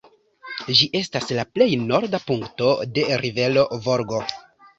Ĝi estas la plej norda punkto de rivero Volgo.